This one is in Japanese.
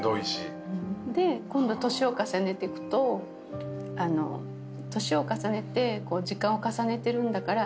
で今度年を重ねてくと年を重ねて時間を重ねてるんだから。